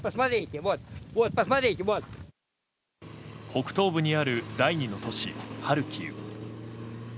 北東部にある第２の都市ハルキウ。